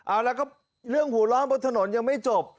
อ้าวแล้วก็เรื่องหูร้อนบนถนนยังไม่จบ